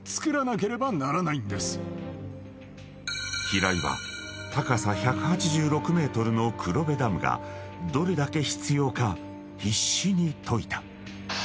［平井は高さ１８６ｍの黒部ダムがどれだけ必要か必死に説いた］